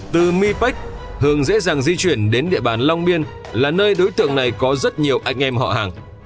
từ mi bách hương dễ dàng di chuyển đến địa bàn long biên là nơi đối tượng này có rất nhiều anh em họ hàng